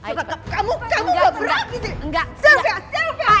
cepat kamu kamu gak beraktifisasi enggak enggak